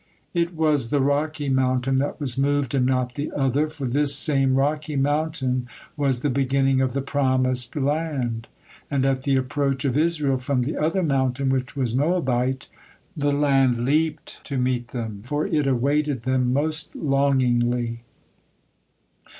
It was the rocky mountain that was moved, and not the other, for this same rocky mountain was the beginning of the promised land, and at the approach of Israel from the other mountain, which was Moabite, the land leaped to meet them, for it awaited them most longingly.